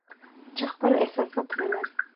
چې خپل احساسات نه لري